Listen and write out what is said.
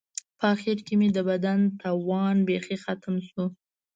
په آخر کې مې د بدن توان بیخي ختم شو.